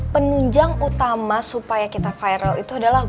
penunjang utama supaya kita viral itu adalah